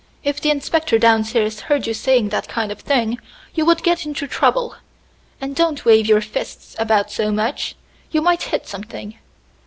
If the inspector downstairs heard you saying that kind of thing, you would get into trouble. And don't wave your fists about so much; you might hit something.